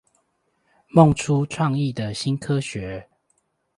夢出創意的新科學